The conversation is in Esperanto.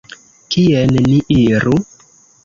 Kien ni iru?